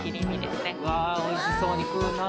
うわおいしそうに食うな